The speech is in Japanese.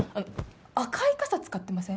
赤い傘使ってません？